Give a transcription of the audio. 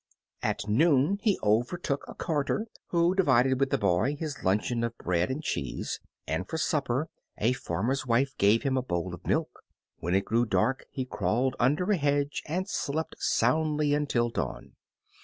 At noon he overtook a carter, who divided with the boy his luncheon of bread and cheese, and for supper a farmer's wife gave him a bowl of milk. When it grew dark he crawled under a hedge and slept soundly until dawn.